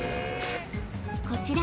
こちら